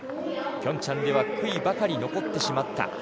ピョンチャンではくいばかり残ってしまった。